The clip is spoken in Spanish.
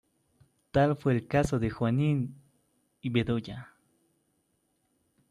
Tal fue el caso de "Juanín" y "Bedoya".